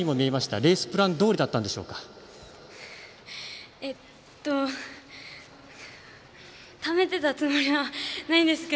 レースプランどおりだったんですか。